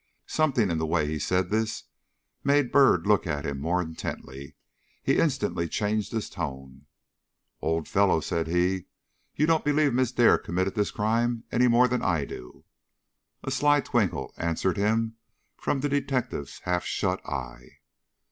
Something in the way he said this made Byrd look at him more intently. He instantly changed his tone. "Old fellow," said he, "you don't believe Miss Dare committed this crime any more than I do." A sly twinkle answered him from the detective's half shut eye.